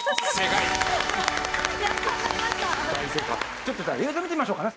ちょっとじゃあ映像を見てみましょうかね。